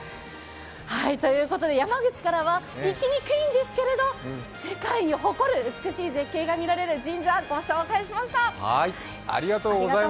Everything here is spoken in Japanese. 山口からは行きにくいんですけれども、世界に誇る美しい絶景が見られる神社、ご紹介しました。